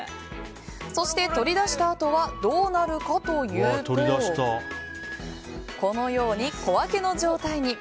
そして、取り出したあとはどうなるかというとこのように、小分けの状態に。